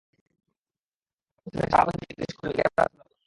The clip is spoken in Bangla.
একথা শুনে সাহাবাগণ জিজ্ঞেস করলেন, ইয়া রাসূলাল্লাহ!